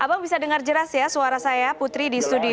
abang bisa dengar jelas ya suara saya putri di studio